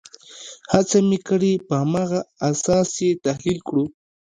هڅه مو کړې په هماغه اساس یې تحلیل کړو.